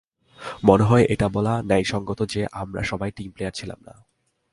মনে হয় এটা বলা ন্যায়সঙ্গত যে আমরা সবাই টিম প্লেয়ার ছিলাম না।